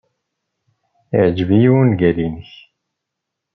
Yeɛjeb-iyi wungal-nnek.